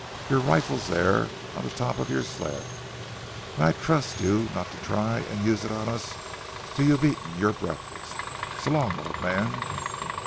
Your rifle's there on the top of your sled, and I trust you not to try and use it on us till you've eaten your breakfast.... So long, old man."